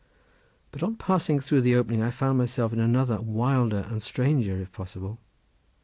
But on passing through the opening I found myself in another, wilder and stranger, if possible.